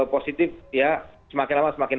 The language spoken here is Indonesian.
positif ya semakin lama semakin